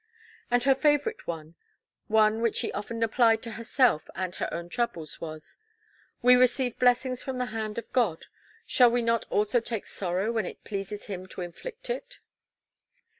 And her favorite one, one which she often applied to herself and her own troubles was: "We receive blessings from the hand of God, shall we not also take sorrow when it pleases Him to inflict it?"